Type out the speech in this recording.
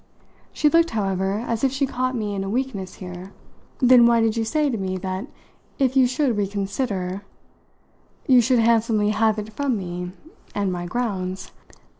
She looked, however, as if she caught me in a weakness here. "Then why did you say to me that if you should reconsider " "You should handsomely have it from me, and my grounds?